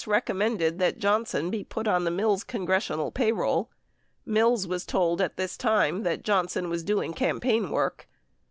915 recommended that Johnson be put on the Mills congressional payroll. Mills was told at this time that Johnson was doing campaign work.